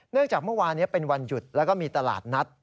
จากเมื่อวานนี้เป็นวันหยุดแล้วก็มีตลาดนัด